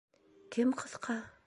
Кем ҡыҫҡа?